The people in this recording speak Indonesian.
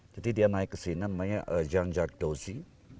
jadi dia naik ke sini namanya jean jacques daussy